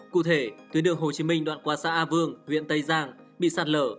cụ thể tuyến đường hồ chí minh đoạn qua xã a vương huyện tây giang bị sạt lở